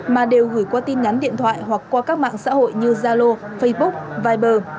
mà đều gửi qua tin nhắn điện thoại hoặc qua các mạng xã hội như zalo facebook viber